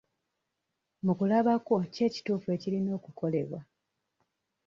Mu kulaba kwo ki ekituufu ekirina okukolebwa?